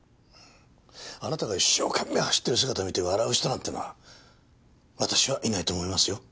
あなたが一生懸命走ってる姿を見て笑う人なんていうのは私はいないと思いますよ。